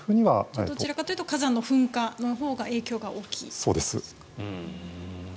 どちらかというと火山の噴火のほうがそうです。